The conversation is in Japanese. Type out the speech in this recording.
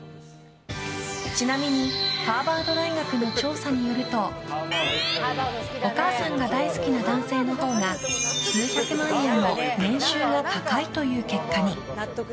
ちなみにハーバード大学の調査によるとお母さんが大好きな男性のほうが数百万円も年収が高いという結果に。